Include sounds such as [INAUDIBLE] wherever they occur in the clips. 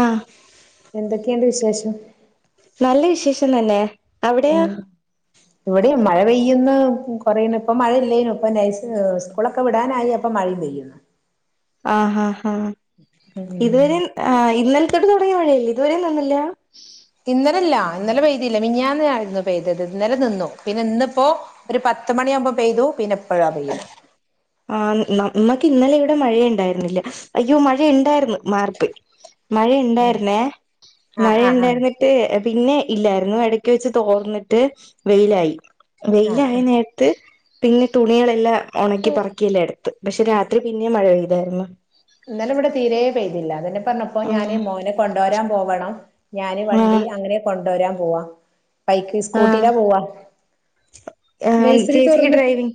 ആഹ് എന്തൊക്കെയുണ്ട് വിശേഷം നല്ല വിശേഷം തന്നെ അവിടെയോ ഉം ഇവടിയും മഴ പെയ്യുന്നു, കൊറയുന്നു ഇപ്പം മഴയില്ലേനു ഇപ്പം നൈച്ച് സ്കൂളൊക്കെ വിടാനായി അപ്പം മഴയും പെയ്യുന്നു ആഹ് ഹാ ഹാഹ് ഇതുവരെ ആഹ് ഇന്നൽത്തൊട്ട് തൊടങ്ങിയ മഴല്ലേ ഇതുവരെ നിന്നല്ല ഇന്നലെല്ല ഇന്നലെ പെയ്തില്ല മീനിഞ്ഞാന്ന് ആയിരുന്നു പെയ്തത് ഇന്നലെ നിന്നു പിന്നെ ന്ന്പ്പോ ഒരു പത്ത് മണിയാകുമ്പോ പെയ്തു പിന്നെപ്പഴാ പെയ്യുന്നെ ആഹ് നമ്മക്ക് ഇന്നലെ ഇവിടെ മഴയുണ്ടായിര്ന്നില്ല, അയ്യോ മഴയ ഇണ്ടായിര്ന്ന്, മാറിപ്പോയി മഴെ ഇണ്ടായിര്ന്നേ, ആഹ് മഴ ആഹ് ആഹ് ഇണ്ടായിരുന്നിട്ട് പിന്നെ ഇല്ലായിരുന്നു, എടക്ക് വെച്ച് തോർന്നിട്ട് വെയിലായി ആഹ് ആഹ് വെയിലായനേര് ത്ത് പിന്നെ തുണികളെല്ലാം ഒണക്കി പറക്കിയെല്ലാ എടുത്ത്. പക്ഷെ രാത്രി പിന്നേം മഴ പെയ്തായിരുന്നു ഇന്നലെ വടെ തീരേ പെയ്തില്ല, അതെന്ന പർഞ്ഞപ്പോ ആഹ് ഞാന് മോനെ കൊണ്ടോരാൻ പോവണം ഞാന് വണ്ടി ആഹ് അങ്ങനെ കൊണ്ടോരാൻ പോവാ ബൈക്ക് ആഹ് സ്കൂട്ടിയിലാ പോവാ ആഹ് നെയ്സറി ചേച്ചിക്ക് തുറന്നിട്ട് ഡ്രൈവിങ്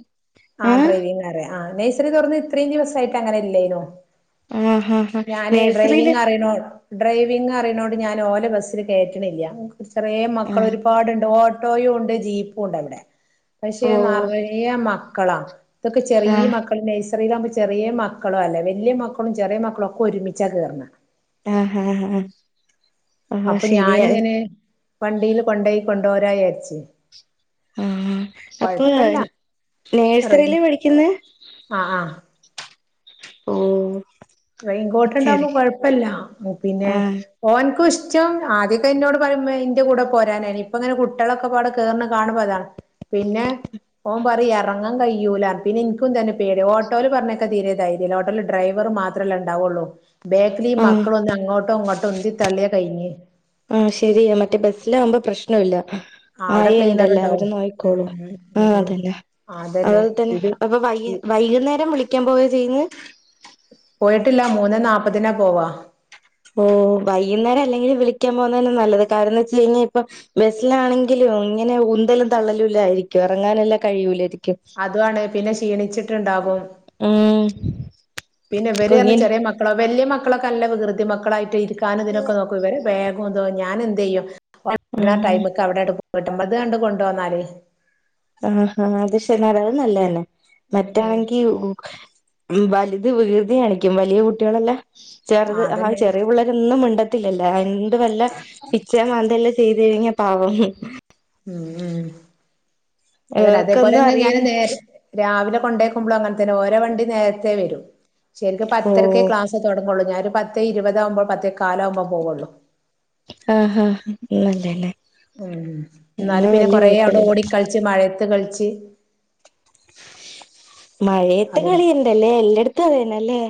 ആഹ് ഡ്രൈവിംങ്ങറിയ ആഹ് നെഴ്സറി തുറന്ന് ഇത്രയും ദിവസായിട്ട് അങ്ങനെല്ലേനു ആഹ് ഹ ഞാനെ ഡ്രൈവിങ് അറിണോ ഡ്രൈവിംഗ് അറിണോണ്ട് ഞാൻ ഓന്റെ ബസ്സിൽ കേറ്റ്ണില്ല, ചെറ്യേ ആഹ് മക്കളൊരുപാടുണ്ട്.. ഓ ട്ടോയുംണ്ട് ജീപ്പുംണ്ടവിടെ. പക്ഷെ ഓ നറയെ മക്കളാ തൊക്കെ ചെറീ ആഹ് മക്കൾ, നഴ്സറിയിലാവുമ്പോ ചെറിയ മക്കളുഅല്ലേ വല്യ മക് മക്കളും ചെറിയ മക്കളൊക്കെ ഒരുമിച്ച കേർണത് ആഹ് ഹാ ഹാ ആഹ് ശരിയ വണ്ടീൽ കൊണ്ടോയി കൊണ്ടോരാ യാര്ച്ച് ആഹ് അപ്പൊഴാ നേഴ്സറിയില പഠിക്കുന്നെ ആ ആ ഓഹ് റെയിൻകോട്ട്ണ്ടാവുമ്പോ ശരി കൊഴപ്പല്ല. ഉം പിന്നെ ആഹ് ഓൻക്കുഇഷ്ടം ആദ്യക്കെ ഇന്നോട് പറിം മ്മേ ഇന്റെ കൂടെ പോരാനായിനി. ഇപ്പങ്ങനെ കുട്ട്യാളൊക്കെപാടെ കേർനെകാണ്പോ അതാണ് പിന്നെ ഓൻ പറിം എറങ്ങാൻ കയ്യൂലാന്ന് പിന്നെ ഇൻക്കും തന്നെ പേടിയാ. ഓട്ടോല് പർഞ്ഞയക്കാൻ തീരെ ധൈര്യല്ല ഓട്ടോല് ഡ്രൈവർ മാത്രല്ലേണ്ടാവുള്ളൂ ബേക്കിലീ ആഹ് മക്കളൊന്ന് അങ്ങോട്ടൊ ഇങ്ങോട്ടൊ ഒന്ന് ഉന്തി തള്ളിയ കൈഞ്ഞ് ആഹ് ശെരിയ മറ്റേ ബസ്സില് ആകുമ്പം പ്രശ്ന ഇല്ല ആ അവിടെ ആയ ക്ലീനർ ഉണ്ടല്ലോ ഉണ്ടാവും അവര് ഉം നോക്കിക്കോളൂ ഉം ഉം ആഹ് ഉം അതന്നെ അതന്നെ അതുലെ തന്നെ ഇത് അപ്പൊ വൈ വൈകുന്നേരം വിളിക്കാൻ പോയ തേന്ന് പോയിട്ടില്ല മൂന്നേ നാല്പ്പത്തിനാ പോവാ ഓ വൈകുനേരംഅ ല്ലെങ്കിലൂം വിളിക്കാൻ പോകുന്നത് തന്നെ നല്ലത് കാരണം ന്താ വെച്ച് കഴിഞ്ഞാൽ ഇപ്പം ബെസ്സിലാണെങ്കിലും ഇങ്ങനെ ഉന്തലും തള്ളല് ല്ലായിരിക്കും ഇറങ്ങാനെല്ലാം കഴിയൂലായിരിക്കും അതും ആണ് പിന്നെ ക്ഷീണിച്ചിട്ട് ണ്ടാകും ഉം പിന്നെ വര് റ്ഞ്ഞാ കുഞ്ഞിന് ചെറിയ മക്കളാ വല്ല്യയ മക്കളൊക്കെ നല്ല വികൃതി മക്കളായിട്ട് ഇരിക്കാനും ഇതിനൊക്കെ നോ ക്കും ഇവര് ബേഗും തും ഞാന് എന്തെയ്യും [INAUDIBLE] ഉം രാം ടൈമക്ക് അവിടെ ണ്ട് വീട്ട്മ്പത് കണ്ട് കൊണ്ടോന്നാലെ ആഹ്ആഹ് അത് ശരി ന്നാരെ അ ത് നല്ലെന്നെ ഉം ഉം മറ്റാണെങ്കി ഉ വലുത് വികൃതി കാണിക്കും വലിയ കുട്ടികളെല്ലാം ചെറുത് ആ ചെറിയ പിള്ളേ രൊന്നും മിണ്ടത്തില്ലല്ലേ എന്ത് വല്ല പിച്ച മാന്തല്ലാം ചെയ്ത് കഴിഞ്ഞ പാവം ഉം ഉം അതന്നെ ഇവർക്കൊന്നും അതേപോലെന്നെ ഞാന് അറിയന് നേരെ രാവിലെ കൊണ്ടേക്കുമ്പളും അങ്ങനെ തന്നെ ഓരെ വണ്ടി നേരത്തെ വരും ശരിക്കും പത്തര ക്കെ ഓഹ് ക്ലാസ് തൊടങ്ങള്ളൂ ഞാൻ ഒര് പത്തേ ഇരുപതാകുമ്പം പത്തോകാലാവുമ്പം പോവള്ളൂ ആഹ് ആഹ് നല്ലെന്നെ ഉം ഇന്നാല് പിന്നെ കൊറെ അവിടെ കുഴപ്പമില്ല ഓടി കൾച്ച് മഴയത്ത് കൾച്ച് മഴയത്തെ അതുണ്ട് കളിയിണ്ടല്ലേ എല്ലടത്തും അതന്നെല്ലേ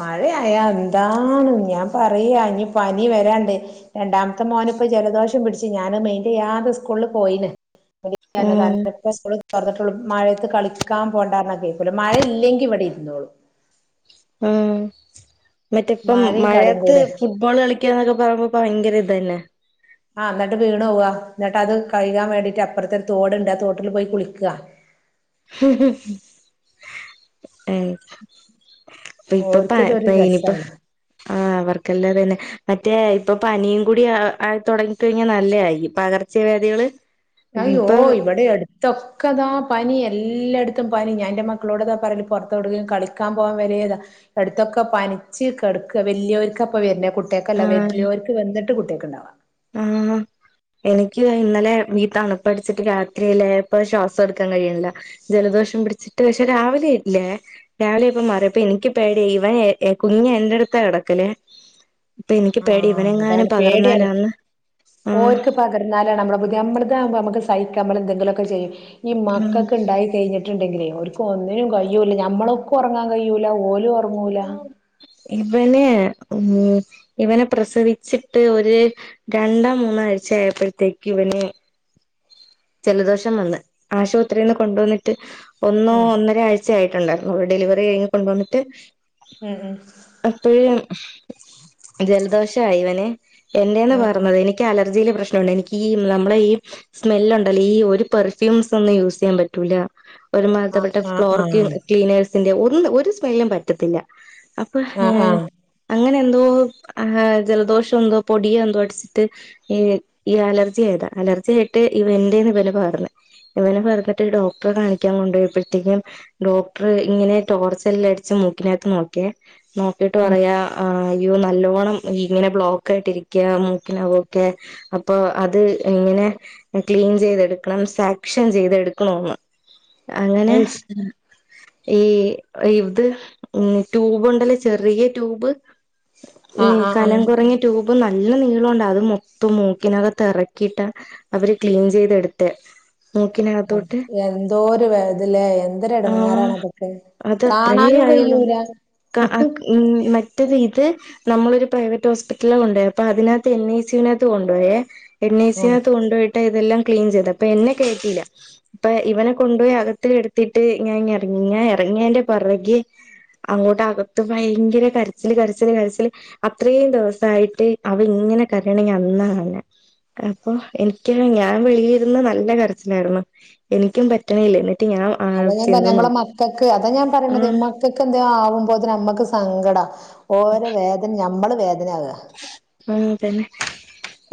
മഴയായാ എന്താണ് ഞാപറയാ ഇനി പനി വരാണ്ട് രണ്ടാമത്തെ മോന് പ്പം ജലദോഷം പിടിച്ച് ഞാനഹ് മെയിന്റെയ്യാതെ സ്കൂൾല് പോയിണ് ആഹ് [UNINTELLIGIBLE] ഇപ്പ സ്കൂൾ തൊർന്ന് ട്ടൊള്ളു മഴയത്ത് കളിക്കാൻ പോണ്ടാർഞ്ഞാ കേക്കൂല മഴ ഇല്ലെങ്കി ഇവിടെ ഇരുന്നോളും ഉം മറ്റേ ഇപ്പം മഴയും കളിയും മഴയത്ത് കൂടെ ഫുട്ബോള് കളിക്കാന്നൊക്കെ പറയുമ്പോ പ്പം ഭയങ്കര ഇതന്നെ ആഹ് ന്നട്ട് വീണോവാ ന്നട്ട് അത് കയ്കാൻ വേണ്ടിട്ട് അപ്പൊറ്ത്തൊര് തോട്ണ്ട് ആ തോട്ടില് പോയി കുളിക്ക ഏഹ് ഇപ്പ ഇപ്പ ഓർക്കിതൊരു പ ഇനിപ്പ രസാണ് ആഹ് അവർക്കെല്ലാതന്നെ മറ്റേ ഇപ്പ പനിയും കൂടി ആ ആയി തൊടങ്ങിക്കഴിഞ്ഞാ നല്ലായിരിക്കു പകർച്ച വ്യദികള് അയ്യോ ഇവിടെ അടു ത്തൊക്കെ താ പനി എല്ലായിടത്തും പനി ഞാ ഇന്റെ മക്കളോട്താ പറയല് പെറ്ത്തോടുക്കു കളിക്കാൻ പോകാൻ വരേതാ അടുത്തൊക്കെ പനിച്ച് കെടക്ക വെല്യോര് കാപ്പം വെര് നേ കുട്ട്യക്കല്ല ആഹ് വെല്ല്യേർക്ക് വന്ന്ട്ട് കുട്ട്യക്ക് ണ്ടാവാ ആഹ് എനിക്ക് ഇന്നലെ ഈ തണുപ്പടിച്ചിട്ട് രാത്രിയിലെപ്പ ശ്വാസഎടുക്കാൻ കഴിണ്ല്ല ജലദോഷം പിടിച്ചിട്ട് പക്ഷെ രാവിലെ ഇല്ലേ രാവിലെ ആയ പ്പം മാറി അപ്പം ഇൻക്ക് പേടി ഇവനെ എ കുഞ്ഞി എൻ്റെടുത്താ കെടക്കല് പ്പം ഇൻക്ക് പേടി ഇവനങ്ങാനും പകർന്നാലാന്ന് ആഹ് ഓര്ക്ക് പകർന്നാലാണ് നമ്മളെ പുതി നമ്മൾതാകുമ്പം അമ്മക്ക് സഹിക്ക നമ്മള് എന്തെങ്കിലൊക്കെ ചെയ്യും ഈ ഉം മക്കക്ക് ഇണ്ടായി കഴിഞ്ഞിട്ട് ണ്ടെങ്കിലേ ഓര് ക്ക് ഒന്നിനു കയ്യൂലാ ഞമ്മളൊക്കെ ഒറങ്ങാ കയ്യൂലാ ഓലും ഉറങ്ങൂല ഇവന് ഉം ഇവനെ പ്രസവിച്ചിട്ട് ഒര് രണ്ടോ മൂന്നാ ആഴ്ച്ചായ പ്പഴത്തേക്ക് ഇവന് ജലദോഷം വന്ന് ആശുപത്രിയിൽന്ന് കൊണ്ടന്നിട്ട് ഒന്നോ ഉം ഒന്നരഴ്ച ആയിട്ടുണ്ടായിരുന്നു ഡെലിവറി കഴിഞ്ഞ് കൊണ്ടന്നിട്ട് ഉം ഉം അപ്പഴ് ജൽദോഷായവന് എന്റെന്ന് ഉം ഉം പകർന്നത് എനി നിക്ക് അലർജിയിടെ പ്രശ്നുണ്ട് എനിക്ക് ഈ നമ്മളെ ഈ സ്മെല്ലുണ്ടല്ലോ ഈ ഒരു പെർഫ്യൂസൊന്നും യൂസെയ്യാൻ പറ്റൂലാ ഒരു ആഹ് മാതിരിപ്പെട്ട ആഹ് ഫ്ലോർ ആഹ് ക്ലീനേഴ്സിന്റെ ഒന്നും ഒരു സ്മെല്ലും പറ്റത്തില്ല അപ്പൊ ആഹ് ഏഹ് ആഹ് അങ്ങനെ എന്തോ ആഹ് ജലദോഷന്തോ പൊടിയെന്തോ അടിച്ചിട്ട് ഈ ഈ അലർജിയായതാ അലർജി ആയിട്ട് ഇവ എന്റെന്ന് ഇവന് പകർന്ന് ഇവന് പകർന്നിട്ട് ഡോക്ടറെ കാണിക്കാൻ കൊണ്ടു പോഴപ്പഴത്തേക്കും ഡോക്ടർ ഇങ്ങനെ ടോർച്ചെല്ലാം അടിച്ച് മൂക്കിനകത്ത് നോക്കിയെ നോക്കിട്ട് ഉം പറയാ ആഹ് അയ്യോ നല്ലോണം ഇങ്ങനെ ബ്ലോക്ക് ആയിട്ടിരിക്കാ മൂക്കിനകൊക്കെ അപ്പൊ അത് ഇങ്ങനെ ക്ലീൻ ചെയ്തെടുക്കണം സാക്ഷം ചെയ്തെടുക്കണന്ന് അങ്ങനെ അയ്ശ് ഈ ഇത് ഉം ട്യൂബുണ്ടല്ലേ ചെറിയ ട്യൂബ് ഈ ആഹ് ആഹ് ആഹ് കനം കുറഞ്ഞ ട്യൂബ് നല്ല നീളുണ്ട് അത് മൊത്തം മൂക്കിനകത്ത് എറക്കീട്ട അവര് ക്ലീൻ ചെയ്തെടുത്തെ മൂക്കിനക അത എന്തോരു വേ തല്ലേ എന്തൊരു എടങ്ങാറാണതൊക്കെ അത അത്രേ ആയുള്ളു ക്ക ഉം മ മറ്റത് ഇത് നമ്മളൊരു പ്രൈവറ്റ് ഹോസ്പിറ്റലിൽ കൊണ്ടായപ്പൊ അതിനകത്ത് എൻ ഐ സി വിനാത്ത് കൊണ്ടോയേ എൻ ഐ സി യു വി ആഹ് നകത്ത് കൊണ്ടുപോയിട്ട് ഇതെല്ലാം ക്ലീൻ ചെയ്ത് അപ്പൊ എന്നെ കേറ്റീല അപ്പൊ ഇവനെ കൊണ്ടുപോയി അകത്ത് കെടത്തിട്ട് ഞാൻ ഇങ്ങ് ഇറങ്ങി ഞാൻ ഇറങ്ങിയന്റെ പൊറകെ അങ്ങോട്ട് അകത്ത് ഭയങ്കര കരച്ചില് കരച്ചില് കരച്ചില് അത്രയും ദിവസായിട്ട് അവൻ ഇങ്ങനെ കരയണ ഞാൻ അന്നാ കാണുന്നത് അപ്പൊ എനിക്ക് തന്നെ ഞാൻ വെളിയിലിരുന്ന് നല്ല കരച്ചിലായിരുന്നു എനിക്കും പറ്റണില്ല എന്നിട്ട് ഞാൻ ആ അതാ ഞാൻ പറഞ്ഞത് ചെന്ന് നമ്മളെ നോക്കി മക്കൾക്ക് അതാ ഞാൻ ആ പറയണത് മക്കൾക്ക് എന്തേ ആവുമ്പോത്തിന് നമ്മക്ക് സങ്കടാ ഓരെ വേദന നമ്മള് വേദനയാകാ ആഹ് തന്നെ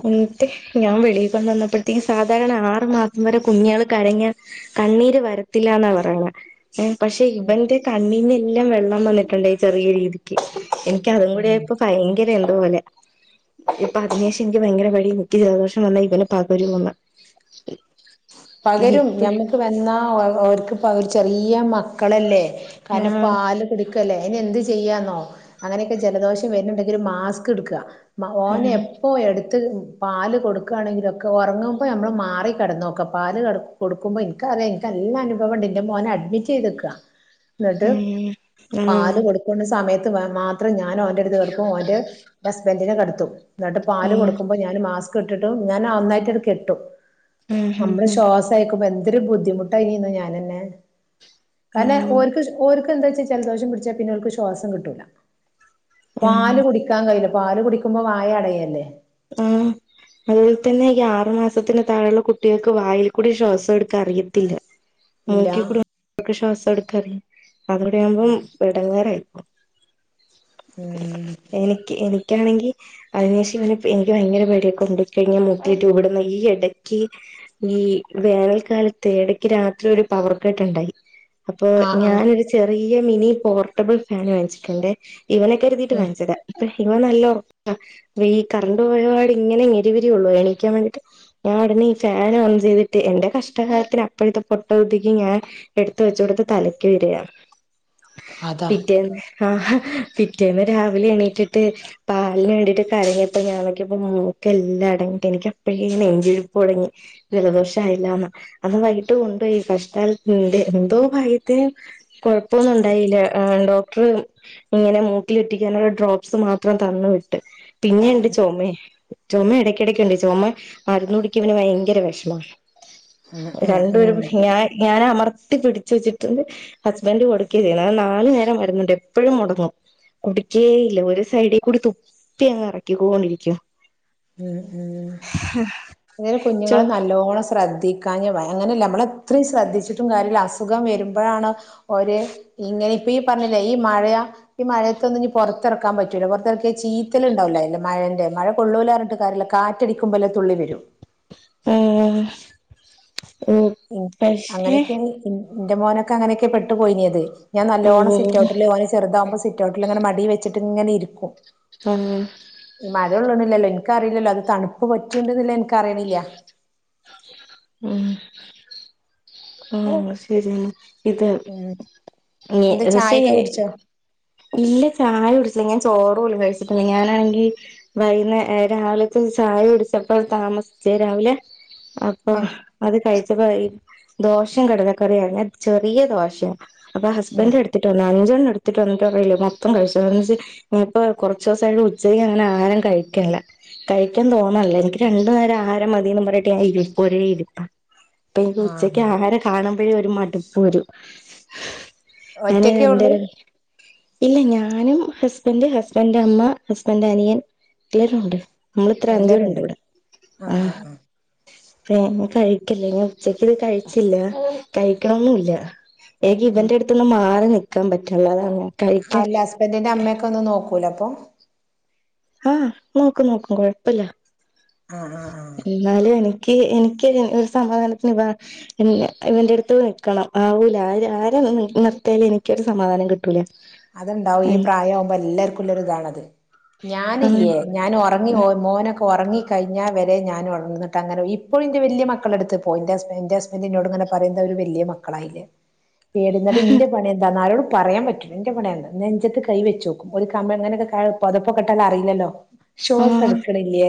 എന്നിട്ട് ഞാൻ വെളിയിൽ കൊണ്ടു വന്നപ്പഴത്തേക്കും സാധാരണ ആറു മാസം വരെ കുഞ്ഞുകൾ കരഞാൽ കണ്ണീര് വരത്തില്ലന്നാ പറയണ ഉം പക്ഷെ ഉം ഇവന്റെ കണ്ണിന്നെല്ലാം വെള്ളം വന്നിട്ടുണ്ടായി ചെറിയ രീതിക്ക് എനിക്ക് അതും കൂടി ഉം ആയപ്പോ ഭയങ്കര എന്തോ പോലെ ഇപ്പൊ അതിനുശേഷം എനിക്ക് ഭയങ്കര പേടിയാ എനിക്ക് ജലദോഷം വന്നാൽ ഇവനു പകരുവോന്ന് പകരും ഇപ്പ ഞമ്മക്ക് വന്നാ അവർക്ക് പകരും ചെറിയ മക്കളല്ലേ കാരണം ആഹ് പാല് കുടിക്ക ല്ലേ അയ്ന് എന്ത്‌ ചെയ്യാന്നോ അങ്ങനെക്കെ ജലദോഷം വരുന്നുണ്ടെങ്കിൽ ഒരു മാസ്ക് എടുക്ക ഓന് ആഹ് എപ്പോൾ എടുത്ത് പാല് കൊടുക്കാണെങ്കിലൊക്കെ ഒറങ്ങുമ്പോൾ നമ്മൾ മാറി കിടന്നു നോക്കാ പാല് കെട് കൊടുക്കുമ്പോ ഇൻക്കറിയാം എനിക്ക് നല്ല അനുഭവം ഉണ്ട് എന്റെ മോനെ അഡ്മിറ്റ് ചെയ്തക്ക എന്നിട്ട് ഉം പാല് ആഹ് കൊടു ക്കണ സമയത്ത് മാത്രം ഞാന് ഓന്റെ അടുത്ത് കിടക്കും ഓന്റെ ഹസ്ബന്റിനെ കിടത്തും എന്നിട്ട് പാല് കൊടുക്കുമ്പോ ഞാൻ മാസ്ക് ഇട്ടിട്ടും ഞാൻ ഒന്നായിട്ട് അണ് കെട്ടും ആഹ് നമ്മള് ആഹ് ശ്വാസം അയക്കുമ്പോ എന്തൊരു ബുദ്ധിമുട്ടായിനിന്നോ ഞാനന്നെ ആഹ് കാരണം ആഹ് ഓർക്ക് ഓര്ക്ക് എന്താ വച്ചാ ജലദോഷം പിടിച്ചാൽ പിന്നെ അവർക്ക് ശ്വാസം കിട്ടൂല. പാല് ആഹ് കുടി ടിക്കാൻ കഴിയില്ല. പാല് കുടിക്കുമ്പോ വായ അടയല്ലേ. ആഹ് അതുപോലെ തന്നെ ഈ ആറു മാസത്തിന് താഴെയുള്ള കുട്ടികൾക്ക് വായിൽ കൂടി ശ്വാസം എടുക്കാൻ അറിയത്തില്ല. ഉ മൂക്കിൽ കൂടെ ഓൽക്ക് ശ്വാസം എടുക്കാനറില്ല. അതോടെയാവുമ്പോം [UNINTELLIGIBLE] എടങ്ങേറായി. ഉം എനിക്ക് എനിക്കാണെങ്കിൽ അതിനുശേഷം പിന്നെ ഇപ്പ എനിക്ക് ഭയങ്കര പേടിയാ കൊണ്ടുപോയി കഴിഞ്ഞാൽ മൂക്കില് ട്യൂബിടുന്നത് ഈ എടയ്ക്ക് ഈ വേനൽക്കാലത്ത് എടക്ക് രാത്രി ഒരു പവർക്കെട്ടുണ്ടായി. അപ്പൊ ആഹ് ഞാനൊരു ചെറിയ മിനി പോർട്ടബിൾ ഫാന് വാങ്ങിച്ചിട്ടുണ്ട്. ഇവനെ കരുതീട്ട് ആഹ് വാങ്ങിച്ചതാ, ഇവൻ നല്ല ഒറക്കാ, വീ കറണ്ട് പോയ പാട് ഇങ്ങനെ ഞെരിപിരി കൊളളുക എണീക്കാൻ വേണ്ടീട്ട് ഞാൻ ഉടനെ ഈ ഫാൻ ഓൺ ചെയ്തിട്ട് എന്റെ കഷ്ടകാലത്തിന് അപ്പോഴത്തെ പൊട്ടബുദ്ധിക്ക് ഞാൻ എടുത്ത വെച്ചുകൊടുത്തത് തലക്ക് മീതെയാ അതാ പിറ്റേന്ന് ആഹ്, പിറ്റേന്ന് രാവിലെ എണീറ്റിട്ട് പാലിന് വേണ്ടിട്ട് കരയും അപ്പൊ ഞാൻ നോക്കിയപ്പോ മൂക്ക് എല്ലാം അടഞ്ഞിട്ട് എനിക്ക് അപ്പഴേ നെഞ്ചിടിപ്പ്തുടങ്ങി ജലദോഷ ആയില്ലാന്ന്, അന്ന് വൈകിട്ട് കൊണ്ടുപോയി കഷ്ടാലത്തിന്റെ എന്തോ ഭാഗ്യത്തിന് കൊഴപ്പോന്നു ഉണ്ടായില്ല. ഡോക്ടർ ഇങ്ങനെ മൂക്കിലിറ്റിക്കാനുള്ള ഡ്രോപ്സ് മാത്രം തന്നു വിട്ട്. പിന്നെ ഇണ്ട് ചുമ, ചുമ ഇടയ്ക്കിടയ്ക്കുണ്ട്. ചുമ മരുന്ന് കുടിക്കാൻ ഇവന് വയങ്കര വിഷമാ. ഉം ഉം രണ്ടു ഒരു ഉം ഞ ഞാന അമർ ത്തി പിടിച്ച് വെച്ചിട്ടുണ്ട് ഹസ്ബൻഡ് കൊടുക്കുക ചെയ്യുന്നത്. അത് നാലു നേരം മരുന്നുണ്ട്, എപ്പഴും മുടങ്ങും. കുടിക്കേ ഇല്ല ഒരു സൈഡിൽ കൂടി തുപ്പി അങ്ങ് എറക്കിക്കൊണ്ടിരിക്ക്. ഉം, ഉം ഇങ്ങനെ ചോ കുഞ്ഞുങ്ങളെ നല്ലോണം ശ്രദ്ധി ക്കാഞ്ഞ വയ അങ്ങനെയല്ല നമ്മളെത്രയും ശ്രദ്ധിച്ചിട്ടും കാര്യമില്ല അസുഖം വരുമ്പോഴാണ് ഓര് ഇങ്ങനെ ഇപ്പ ഈ പറഞ്ഞില്ലേ ഈ മഴ ഈ മഴത്തൊന്നും ഇഞ്ഞ് പൊറ ത്തെറക്കാൻ പറ്റൂല, പൊറത്തെ റക്കിയ ചീറ്റൽ ഇണ്ടാവുലെ അയിന്റെ മഴന്റെ, മഴ കൊള്ളൂലാർഞ്ഞി ട്ട് കാര്യല്ല കാറ്റടിക്കുംമ്പോല്ലേ തുള്ളി വെരു ഏഹ് ഉം, അങ്ങനൊക്കെയാണ് പിന്നെ, ഇന്റെ മോനൊക്കെ അങ്ങനെക്കെ പെട്ടു പോയിനിയത്. ഞാൻ ഓ നല്ലോണം സിറ്റ്ഔട്ടില് ഓന് ചെറുതാവുമ്പോ സി റ്റൗട്ടില് അങ്ങനെ മടീവെച്ചിട്ട് ഇങ്ങനെ ഇരിക്കും. ആഹ് ഈ മഴൊള്ളുണില്ലല്ലോ ഇൻക്കറീലല്ലോ അത് തണുപ്പ് പറ്റ്ണ്ട്ന്ന് ഇൻക്ക് അറീണില്ല. ആഹ് ആഹ്, ശെരി ആണ് ഇത് ഉം എന്താ ഏഹ് പക്ഷെ ചായൊക്കെ കുടിച്ചോ ഇല്ല ചായ കുട്ച്ചില്ല ഞാൻ ചോറോലും കഴിച്ചിട്ടില്ല ഞാനാണെങ്കിൽ വൈന്നേ ഏഹ്, രാവിലത്തെ ചായുട്ച്ചപ്പോൾ താമസിച്ചേ രാവിലെ ആഹ്, ഉം അത് കഴിച്ചപ്പോ വൈകി. ദോശേം കടലക്കറിയാന്നേ ചെറിയ ദോശയാ, അപ്പൊ ഉം ഹസ്ബൻഡ് എടു ത്തിട്ട് പറഞ്ഞു അഞ്ചെണ്ണം എടുത്തിട്ട് വന്നിട്ട് പറയല്ലേ മൊത്തം കഴിച്ചോ [UNINTELLIGIBLE] ഇപ്പൊ കുറച്ചൂസായിട്ട് ഉച്ചയ്ക്ക് അങ്ങനെ ആഹാരം കഴിക്കേല്ല. കഴിക്കാൻ തോന്ന്ണ്ല്ല. എനിക്ക് രണ്ട് നേരം ആഹാരം മതീന്നും പറഞ്ഞിട്ട് ഞാൻ ഇരിപ്പ് ഒരേ ഇരിപ്പാ, അപ്പ എനിക്ക് തോ ആഹ് ആഹാരം കാണുമ്പോഴേ ഒരു മടുപ്പ് വരും, അങ്ങനെ ഒറ്റക്കേ ഉള്ളൂ രണ്ടെരം ഇല്ല ഞാനും ഹസ്ബൻഡ് ഹസ്ബൻഡ് അമ്മ ഹസ്ബൻഡ് അനിയൻ എല്ലാരു ഉണ്ട്. നമ്മള് ത്ര എല്ലാരും അഞ്ചൂരുണ്ട് ഉണ്ട് വടെ ആ ആഹ് ആഹ് ആഹ് കഴിക്കല്ലേ ഞ്ഞ് ഉച്ചക്ക് ക്കിത് കഴിച്ചില്ല കഴിക്കണൊന്നുല്ലാ എനിക്ക് ഇവന്റെടുത്ത് ത്ത്ന്ന് മാറി നിൽക്കാ പറ്റുള്ളാ അതൊണ്ടാ അല്ല ഹസ്ബൻഡിന്റെ അമ്മയൊക്കെ ഒന്ന് നോക്കൂലെപ്പൊ ആ നോക്കെ നോക്കെ കൊഴപ്പല്ലാ ആ ആ ആ ന്നാലും എനിക്ക് എനിക്ക് ഒരു സമാധാനത്തിന് ഇത ഇന്റെ ഇവന്റെടുത്ത് നിൽക്കണം ആവൂലാ ആര് ആരേ നിർത്തല് എനിക്കൊരു സമാധാനം കിട്ടു ട്ടൂല അത്ണ്ടാവും ഈ പ്രായാവുംമ്പോ എല്ലാർക്കുംള്ളൊരു ഇതാണത് ആഹ് ഞാനില്ലേ. ഞാൻ ഉറങ്ങി മോനൊക്കെ ഉറങ്ങി കഴിഞ്ഞാൽ വരെ ഞാനൊണർന്നിട്ടങ്ങനെ ഇപ്പോഴും ഇന്റെ വല്ല്യ മക്കളെടുത്ത്. പ്പോയ് ന്റെ ഹസ്ബന്ഡിന്നോടിങ്ങനെ പറയും ന്താവര് വല്ല്യേ മക്കളായിലേ [UNINTELLIGIBLE] എന്റെ പണി എന്താന്നാ ആരോടും പറയാൻ പറ്റും ഇന്റെപ്പം ണ്ടേന്ന് നെഞ്ചത്ത് കൈ വെച്ചോക്കും ഒരു കമ്മിഴ്നേനൊക്കേ കഴ് പൊതപ്പൊക്കെട്ടാലറീല്ലല്ലോ. ശ്വാസ് ആഹ് എടുക്ക്ണ്ലെ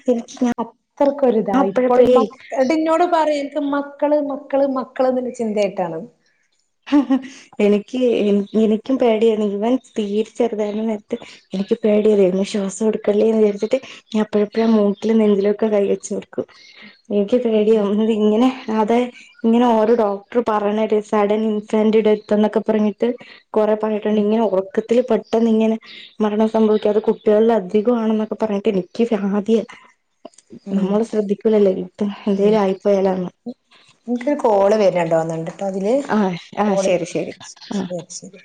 [UNINTELLIGIBLE] അത്രക്കൊരിതാ ഇപ്പഴും അപ്പഴപ്പഴേ മക്ക ടി എന്നോട് പറയും ഇന്ക്ക് മ മക്കള് മക്കള് മക്കള്ന്ന്ള്ള ചിന്തായിട്ടാണ്. ന്ന് എനിക്ക് എനിക്കും പേടിയാന്ന് ഇവൻ തരെച്ചെറുതായിന്ന നേരത്ത്. എനിക്ക് പേടിയതേന്ന് ശ്വാസം എടുക്കല്ലേ എന്ന് വിജരിചിട്. ഞാപ്പഴുംപ്പൊഴും ആ മൂക്കിലും നെന്തിലൊക്കെ കൈ വെച്ചോക്കും എനിക്ക് ഉം പേടിയോത് ഇങ്ങനെ അത് ഇങ്ങനെ ഓരോ ഡോക്ടർ പറയണേട്ട് ഒരു സഡൻ സെന്റ് ഡെത്ത് എന്നൊക്കെ പറഞ്ഞിട്ട് കൊറെ പറഞ്ഞിട്ടുണ്ട് ഉം ഇങ്ങനെ ഉറക്കത്തില് പെട് ട്ടെന്നിങ്ങനെ മരണം സംഭവിക്കാം അത് കുട്ടികളിലധികമാണെന്നൊക്കെ പറഞ്ഞിട്ട് എനിക്ക് വ്യാധിയാ ഉം നമ്മള് ശ്രദ്ധിക്കൂലല്ലോ ഇട്ടും എന്തേലും ആയിപ്പൊയാല്ലാണ്. ന്ക്ക് കോള് വര്ന്ണ്ടൊന്നുണ്ട് ട്ടൊ ഇതില് ആഹ് ആഹ് കോള് ശരി ശരി ആ ശരി ശെരി